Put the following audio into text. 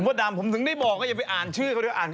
หิวงก้อยใช่แล้วภาพนี้มื้องไทยเหรอ